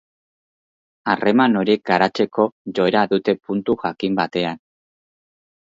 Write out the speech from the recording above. Harreman horiek garatzeko joera dute puntu jakin batean.